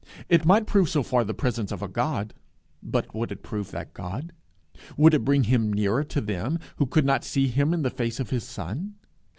It might prove so far the presence of a God; but would it prove that God? Would it bring him nearer to them, who could not see him in the face of his Son?